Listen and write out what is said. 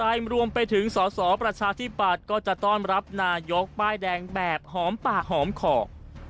รวมไปถึงสอสอประชาธิปัตย์ก็จะต้อนรับนายกป้ายแดงแบบหอมป่าหอมขอบ